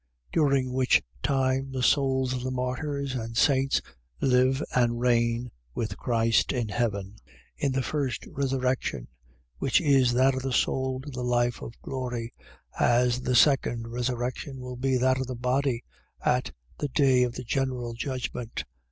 During which time the souls of the martyrs and saints live and reign with Christ in heaven, in the first resurrection, which is that of the soul to the life of glory; as the second resurrection will be that of the body, at the day of the general judgment.